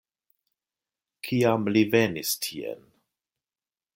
Kiam li venis tien?